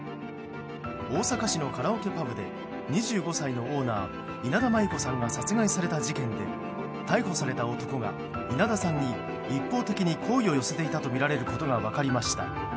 大阪市のカラオケパブで２５歳のオーナー稲田真優子さんが殺害された事件で逮捕された男が稲田さんに一方的に好意を寄せていたとみられることが分かりました。